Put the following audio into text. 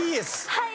はい。